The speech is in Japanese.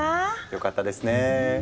よかったですねぇ。